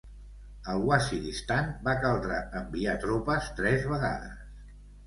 Al Waziristan va caldre enviar tropes tres vegades.